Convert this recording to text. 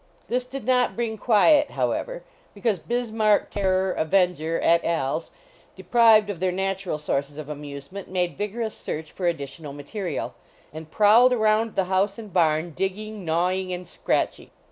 This did not bring quiet, however, because Bismarck, Terror, Avenger, et a/s, deprived of their natural sources of amusement, m.uk vigorous search for additional material, and prowled around the house and barn digging, gnawing and scratching.